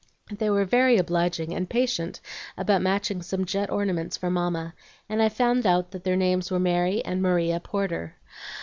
They were very obliging and patient about matching some jet ornaments for Mamma, and I found out that their names were Mary and Maria Porter.